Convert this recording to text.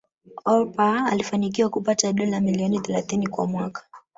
Oprah alifanikiwa kupata dola milioni thelathini kwa mwaka